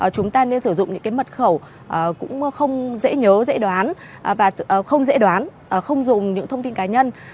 chúng ta nên sử dụng những mật khẩu cũng không dễ nhớ dễ đoán không dùng những thông tin cá nhân